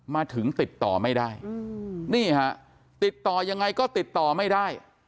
มาถึงติดต่อไม่ได้นี่ฮะติดต่อยังไงก็ติดต่อไม่ได้